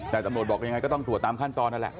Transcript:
แต่ตำรวจบอกยังไงก็ต้องตรวจตามขั้นตอนนั่นแหละ